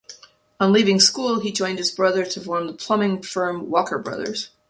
On leaving school he joined his brother to form the plumbing firm Walker Brothers.